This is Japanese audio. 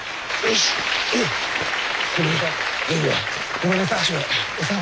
ごめんなさい。